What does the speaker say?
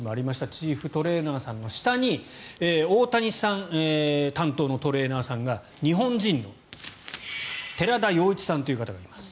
チーフトレーナーさんの下に大谷さん担当のトレーナーさんが日本人の寺田庸一さんという方がいます。